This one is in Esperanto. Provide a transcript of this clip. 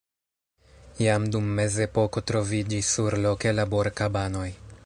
Jam dum Mezepoko troviĝis surloke laborkabanoj.